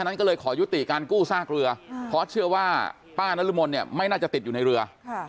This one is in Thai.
นั้นก็เลยขอยุติการกู้ซากเรือเพราะเชื่อว่าป้านรมนเนี่ยไม่น่าจะติดอยู่ในเรือ